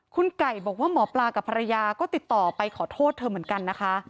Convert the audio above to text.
คุณไก่บอกว่าหมอปลากับภรรยาก็ติดต่อไปขอโทษเธอเหมือนกันนะคะ